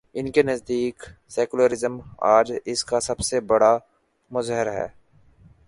ان کے نزدیک سیکولرازم، آج اس کا سب سے بڑا مظہر ہے۔